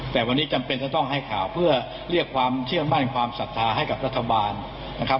แต่วันนี้จำเป็นจะต้องให้ข่าวเพื่อเรียกความเชื่อมั่นความศรัทธาให้กับรัฐบาลนะครับ